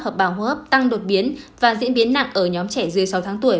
hợp bào hô hấp tăng đột biến và diễn biến nặng ở nhóm trẻ dưới sáu tháng tuổi